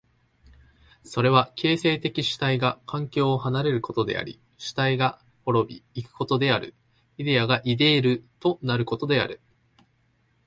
それは形成的主体が環境を離れることであり主体が亡び行くことである、イデヤがイデールとなることである。